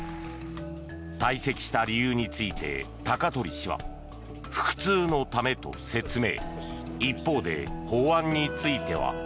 退席した理由について高鳥氏は腹痛のためと説明。